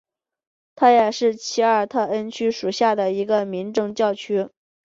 它也是奇尔特恩区属下的一个民政教区。